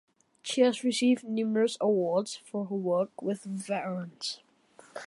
She has received numerous awards for her work with veterans.